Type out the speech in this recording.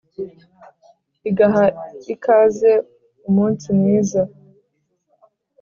igaha ikaze umunsi mwiza.